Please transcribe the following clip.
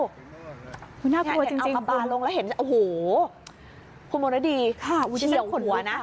คุณน่ากลัวจริงจริงเอากระบาลลงแล้วเห็นโอ้โหคุณมณดีค่ะคุณจะเชี่ยวหัวนะ